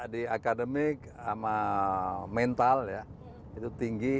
di akademik sama mental ya itu tinggi